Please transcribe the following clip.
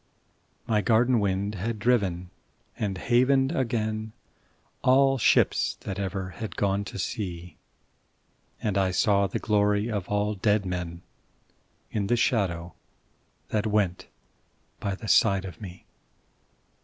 My garden wind had driven and havened again All ships that ever had gone to sea, And I saw the glory of all dead men In the shadow that went by the side of me.